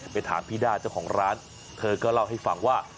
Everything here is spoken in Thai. ไปถามพี่ด้าเจ้าของร้านเธอก็เล่าให้ฟังว่า